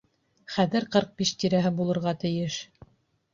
Хәҙер ҡырҡ биш тирәһе булырға тейеш.